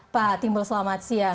pak timbul selamat siang